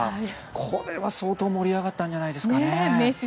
これは相当、盛り上がったんじゃないですかね。